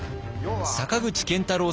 坂口健太郎さん